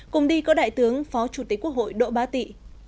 cùng đi có đại tướng phó chủ tịch quốc hội đỗ bá tị